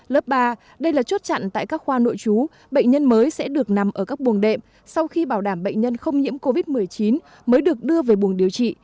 lớp ba đây là chốt chặn tại các khoa nội chú bệnh nhân mới sẽ được nằm ở các buồng đệm sau khi bảo đảm bệnh nhân không nhiễm covid một mươi chín mới được đưa về buồng điều trị